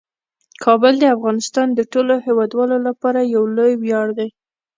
کابل د افغانستان د ټولو هیوادوالو لپاره یو لوی ویاړ دی.